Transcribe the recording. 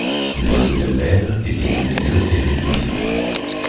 Le neveu d'Albert, Étienne de Guizeu, hérite du bien.